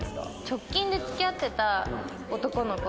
直近で付き合ってた男の子